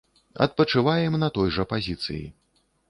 Адпачываем на той жа пазіцыі.